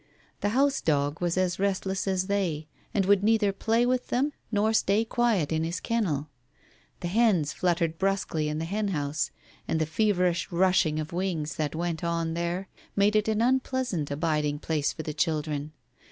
The house dog was as restless as they, and would neither play with them nor stay quiet in his kennel. The hens fluttered brusquely in the hen house, and the feverish rushing of wings that went on there made it an unpleasant abiding place for the children.